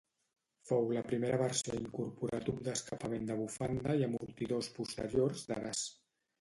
Fou la primera versió a incorporar tub d'escapament de bufanda i amortidors posteriors de gas.